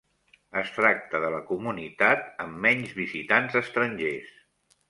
Es tracta de la comunitat amb menys visitants estrangers.